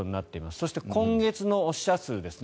そして、今月の死者数ですね。